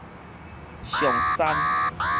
象山